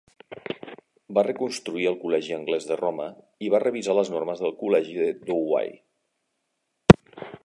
Va reconstruir el col·legi anglès de Roma, i va revisar les normes del col·legi de Douai.